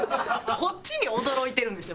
こっちに驚いてるんですよ